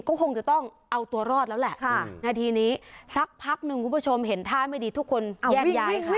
ก็คงจะต้องเอาตัวรอดแล้วแหละนาทีนี้สักพักหนึ่งคุณผู้ชมเห็นท่าไม่ดีทุกคนแยกย้ายค่ะ